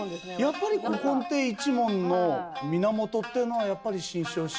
やっぱり古今亭一門の源っていうのはやっぱり志ん生師匠に。